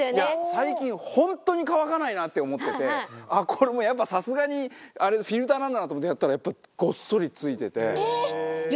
最近本当に乾かないなって思っててこれもうやっぱさすがにフィルターなんだなと思ってやったらごっそり付いてて。